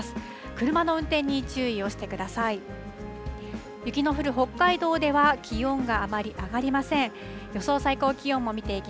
車の運転に注意をしてください。